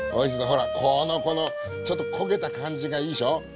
ほらこのこのちょっと焦げた感じがいいでしょう？